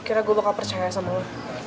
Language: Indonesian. kira kira gue bakal percaya sama lo